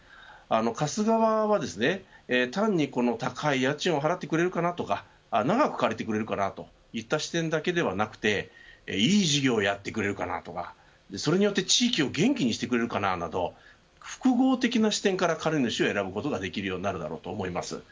貸す側はですね単に高い家賃を払ってくれるかなとか長く借りてくれるかなといった視点だけではなくていい事業やってくれるのかなとかそれによって地域を元気にしてくれるかななど複合的な視点から、借り主を選ぶことができるようになると思います。